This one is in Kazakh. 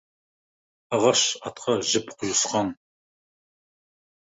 Ағаш атқа жіп құйысқан.